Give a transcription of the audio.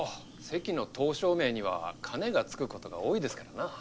関の刀匠名には「兼」が付くことが多いですからなぁ。